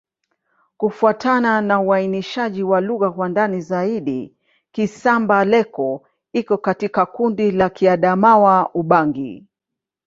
Kufuatana na uainishaji wa lugha kwa ndani zaidi, Kisamba-Leko iko katika kundi la Kiadamawa-Ubangi.